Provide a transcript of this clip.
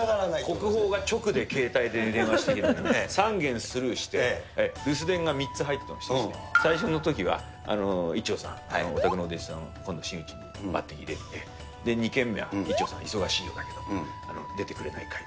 国宝が直で携帯で電話してきてるのに、３件スルーして、留守電が３つ入ってまして、最初のときは、一朝さん、お宅のお弟子さん、今度、真打に抜てきでって、２件目は一朝さん、忙しいようだけれども出てくれないかい？